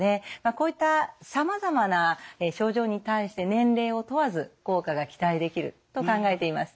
こういったさまざまな症状に対して年齢を問わず効果が期待できると考えています。